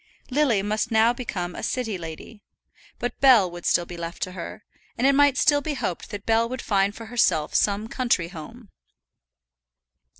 Lily must now become a city lady; but Bell would still be left to her, and it might still be hoped that Bell would find for herself some country home.